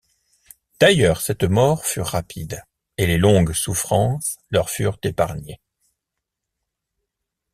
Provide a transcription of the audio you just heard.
D’ailleurs, cette mort fut rapide, et les longues souffrances leur furent épargnées.